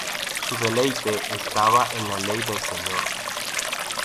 Su deleite estaba en la ley del Señor".